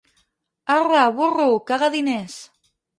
Arre, burro, caga diners!